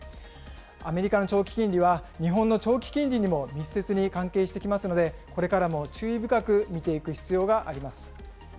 アメリカの長期金利は日本の長期金利にも密接に関係してきますので、これからも注意深く見ていく必要があります。